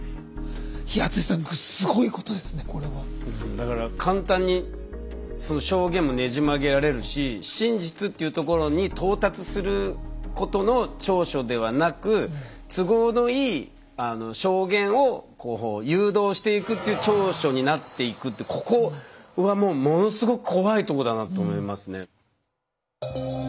だから簡単にその証言もねじ曲げられるし真実っていうところに到達することの調書ではなく都合のいい証言を誘導していくっていう調書になっていくってここはもうものすごく怖いとこだなと思いますね。